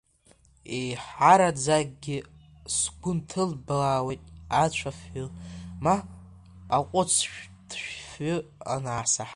Еиҳараӡакгьы сгәы нҭыблаауеит ацәа-фҩы ма акәыц-шәҭ афҩы анаасаҳалак.